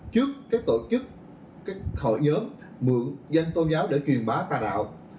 trước tổ chức các hội nhóm mượn danh tôn giáo để truyền bá tà đạo